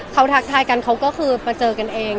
เขาทักทายกันเขาก็คือมาเจอกันเอง